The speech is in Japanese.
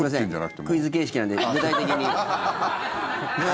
すいませんクイズ形式なんで具体的に。